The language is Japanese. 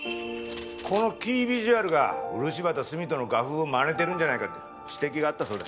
このキービジュアルが漆畑澄人の画風をまねてるんじゃないかって指摘があったそうだ。